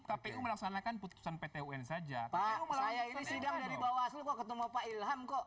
kpu melaksanakan putusan pt un saja pak saya ini sedang dari bawah ketemu pak ilham kok